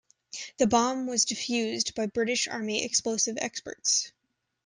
The bomb was defused by British Army explosive experts.